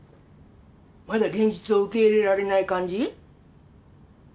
まだ現実を受け入れられない感じ？